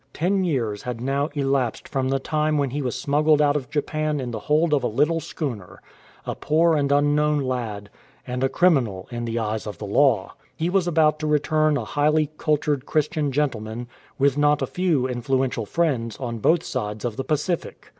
Ten years had now elapsed from the time when he was smuggled out of Japan in the hold of a little schooner — a poor and unknown lad, and a criminal in the eyes of the law. He was about to return a highly cultured Christian gentleman, with not a few influential friends on both sides of the Pacific.